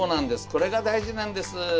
これが大事なんです！